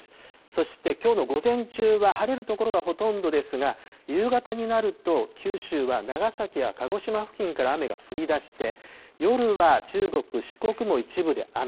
そしてきょうの午前中は晴れる所がほとんどですが、夕方になると、九州は長崎や鹿児島付近から雨が降りだして、夜は中国、四国も一部で雨。